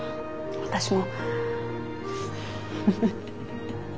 私も。